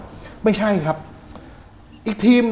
บางคนก็สันนิฐฐานว่าแกโดนคนติดยาน่ะ